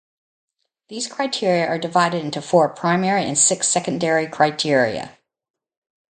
These criteria are divided into four primary and six secondary criteria.